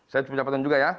saya ucapkan juga ya